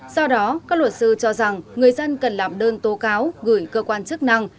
do đó các luật sư cho rằng người dân cần làm đơn tố cáo gửi cơ quan chức năng